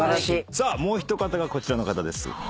さあもう一方がこちらの方です。